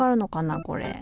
これ。